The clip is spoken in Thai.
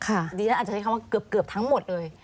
ดิฉันอาจจะใช้คำว่าเกือบทั้งหมดเลย